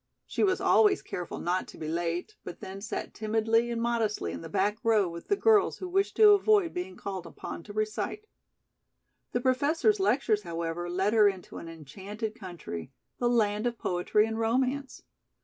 She was always careful not to be late, but then sat timidly and modestly in the back row with the girls who wished to avoid being called upon to recite. The Professor's lectures, however, led her into an enchanted country, the land of poetry and romance.